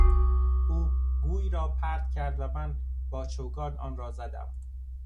او گوی را پرت کرد و من با چوگان آنرا زدم.